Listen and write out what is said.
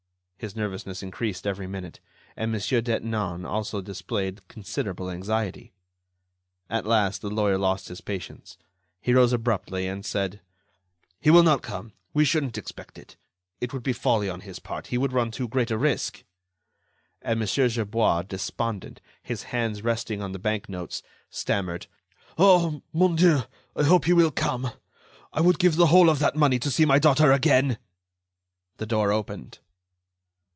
His nervousness increased every minute, and Monsieur Detinan also displayed considerable anxiety. At last, the lawyer lost his patience. He rose abruptly, and said: "He will not come.... We shouldn't expect it. It would be folly on his part. He would run too great a risk." And Mon. Gerbois, despondent, his hands resting on the bank notes, stammered: "Oh! Mon Dieu! I hope he will come. I would give the whole of that money to see my daughter again." The door opened.